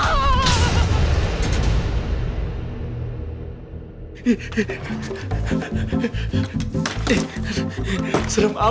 aduh kakinya kelihatan